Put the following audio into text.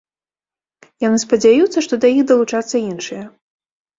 Яны спадзяюцца, што да іх далучацца іншыя.